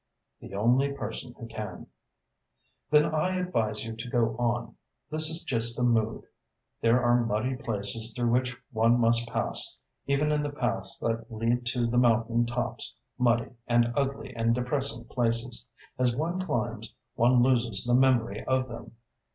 "The only person who can." "Then I advise you to go on. This is just a mood. There are muddy places through which one must pass, even in the paths that lead to the mountain tops, muddy and ugly and depressing places. As one climbs, one loses the memory of them."